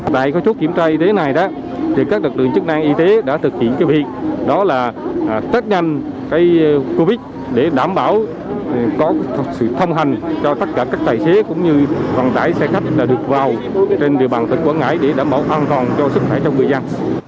tại các chốt kiểm tra y tế này các đặc lượng chức năng y tế đã thực hiện việc tắt nhanh covid một mươi chín để đảm bảo có sự thông hành cho tất cả các tài xế cũng như vận tải xe khách được vào trên địa bàn tỉnh quảng ngãi để đảm bảo an toàn cho sức khỏe trong người dân